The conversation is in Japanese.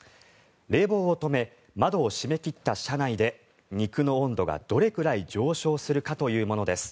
冷房を止め窓を閉め切った車内で肉の温度がどれくらい上昇するかというものです。